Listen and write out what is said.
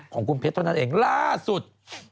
ของคุณเพชรเท่านั้นเองล่าสุด